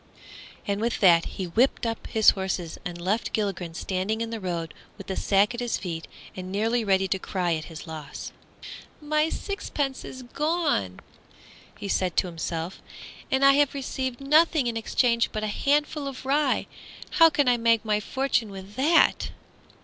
and with that he whipped up his horses and left Gilligren standing in the road with the sack at his feet and nearly ready to cry at his loss. "My sixpence is gone," he said to himself, "and I have received nothing in exchange but a handful of rye! How can I make my fortune with that?"